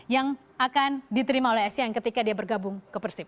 yang akan diterima oleh asean ketika dia bergabung ke persib